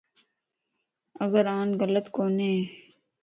اگر آن غلط ڪونئين